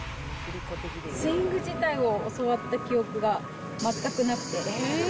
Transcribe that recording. スイング自体を教わった記憶が全くなくて。